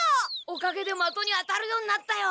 おかげでまとに当たるようになったよ！